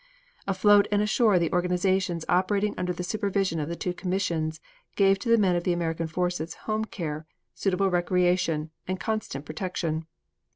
Afloat and ashore the organizations operating under the supervision of the two commissions gave to the men of the American forces home care, suitable recreation, and constant protection.